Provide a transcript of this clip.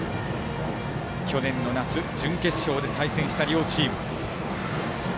去年の夏、準決勝で対戦した両チーム。